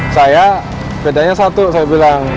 saya bedanya satu saya bilang